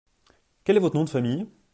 Quel est votre nom de famille ?